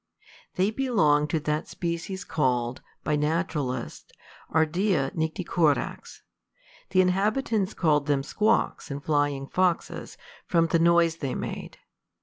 They belonged to that species called, by naturalists, ardea nycticorax. The inhabitants called them squawks and flying foxes, from the noise they made.